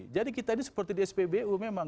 jadi kita ini seperti di spbu memang